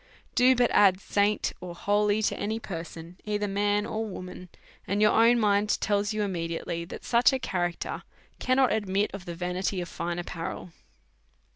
Do but add saint or holy to any person, either man or wo man, and your own mind tells you immediately that such a character cannot admit of the vanity of fine ap parel.